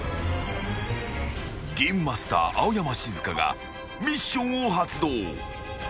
［ゲームマスター青山シズカがミッションを発動］